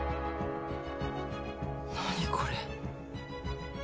何これ。